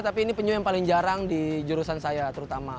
tapi ini penyu yang paling jarang di jurusan saya terutama